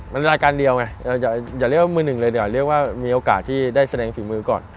มันรายการเดียวไงอย่าเรียกว่ามือหนึ่งเลยเดี๋ยวเรียกว่ามีโอกาสที่ได้แสดงฝีมือก่อน